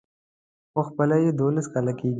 خو خپله يې دولس کاله کېږي.